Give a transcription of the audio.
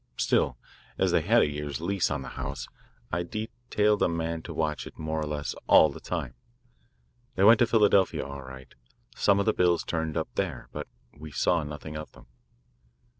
Still, as they had a year's lease on the house, I detailed a man to watch it more or less all the time. They went to Philadelphia all right; some of the bills turned up there. But we saw nothing of them.